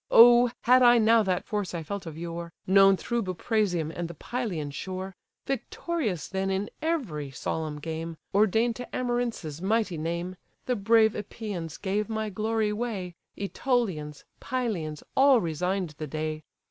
Oh! had I now that force I felt of yore, Known through Buprasium and the Pylian shore! Victorious then in every solemn game, Ordain'd to Amarynces' mighty name; The brave Epeians gave my glory way, Ætolians, Pylians, all resign'd the day.